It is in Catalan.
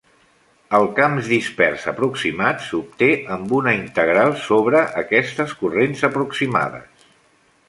El camp dispers aproximat s'obté amb una integral sobre aquestes corrents aproximades.